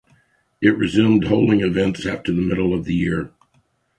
It resumed holding events after the middle of the year.